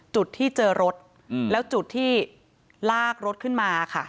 จุดที่เจอรถแล้วจุดที่ลากรถขึ้นมาค่ะ